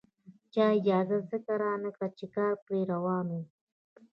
چا اجازه ځکه رانکړه چې کار پرې روان وو.